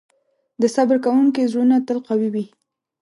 د صبر کوونکي زړونه تل قوي وي.